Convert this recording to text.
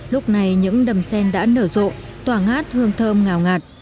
lúc này những đầm sen đã nở rộ tỏa ngát hương thơm ngào ngạt